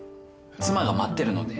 妻が待ってるので。